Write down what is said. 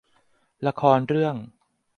ละครเรื่อง